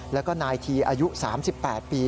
แล้วก็นายทีอายุ๓๘ปี